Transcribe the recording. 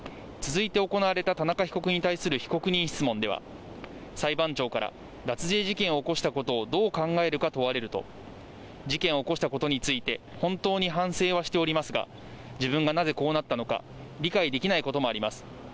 続いて行われた田中被告に対する被告人質問では、裁判長から脱税事件を起こしたことをどう考えるか問われると、事件を起こしたことについて、本当に反省はしておりますが、自分がなぜこうなったのか理解できないこともあります。